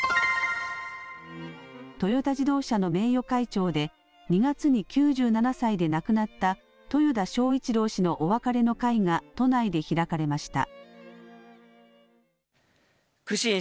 トヨタ自動車の名誉会長で２月に９７歳で亡くなった豊田章一郎氏のお別れの会が都内で開かれました。